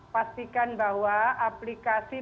pastikan bahwa aplikasi